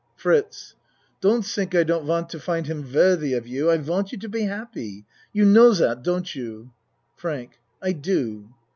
FRITZ Don't tink I don't want to find him worthy of you I want you to be happy. You know dot, don't you? FRANK I do.